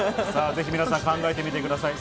ぜひ皆さん考えてみてください。